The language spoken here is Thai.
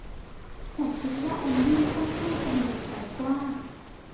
ฉันคิดว่าแอนดี้ค่อนข้างจะเป็นเด็กใจกว้าง